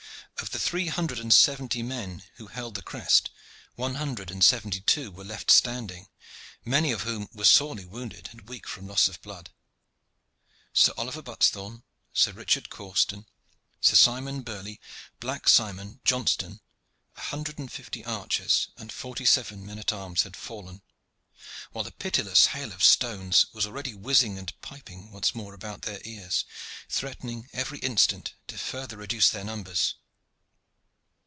Of the three hundred and seventy men who had held the crest, one hundred and seventy two were left standing, many of whom were sorely wounded and weak from loss of blood. Sir Oliver Buttesthorn, Sir Richard Causton, Sir Simon Burley, Black Simon, Johnston, a hundred and fifty archers, and forty seven men at arms had fallen, while the pitiless hail of stones was already whizzing and piping once more about their ears, threatening every instant to further reduce their numbers.